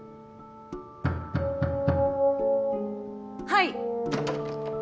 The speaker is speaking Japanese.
はい。